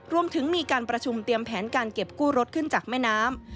รวมถึงมีการประชุมเตรียมแผนการเก็บกู้รถขึ้นจากแม่น้ำ